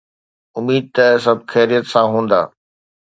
اميد ته سڀ خيريت سان هوندا.